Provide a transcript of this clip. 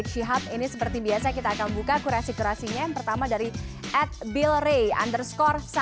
tapi mereka merasa seperti jesus